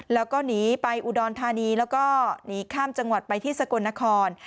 แล้วก็หนีไปอุดรธานีแล้วก็หนีข้ามจังหวัดไปที่สกลนคร